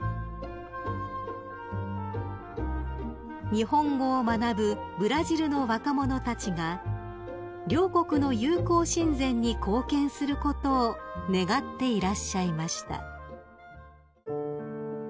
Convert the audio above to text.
［日本語を学ぶブラジルの若者たちが両国の友好親善に貢献することを願っていらっしゃいました］